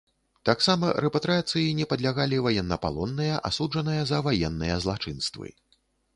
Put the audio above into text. Таксама рэпатрыяцыі не падлягалі ваеннапалонныя, асуджаныя за ваенныя злачынствы.